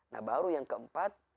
nah baru yang keempat